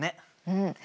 うん。